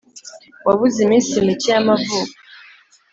wabuze iminsi mike y'amavuko,